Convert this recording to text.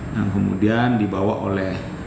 yang kemudian dibawa oleh